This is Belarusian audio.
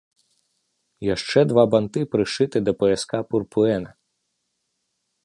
Яшчэ два банты прышыты да паяска пурпуэна.